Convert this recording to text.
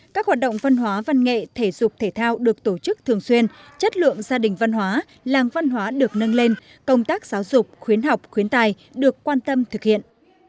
các hoạt động văn hóa văn nghệ thể dục thể thao được tổ chức thường xuyên chất lượng gia đình văn hóa làng văn hóa được nâng lên công tác giáo dục khuyến học khuyến tài được quan tâm thực hiện